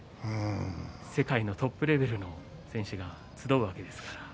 世界のトップレベルの選手が集うわけですから。